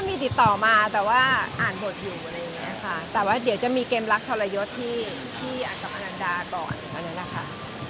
มีติดต่อมาแต่ว่าอ่านบทอยู่อะไรอย่างเงี้ยค่ะแต่ว่าเดี๋ยวจะมีเกมรักทรยศที่อาจจะอนันดาก่อนอย่างนั้นแหละค่ะ